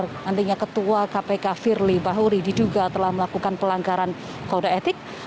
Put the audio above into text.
nantinya ketua kpk firly bahuri diduga telah melakukan pelanggaran covid sembilan belas